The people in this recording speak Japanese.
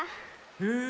へえ。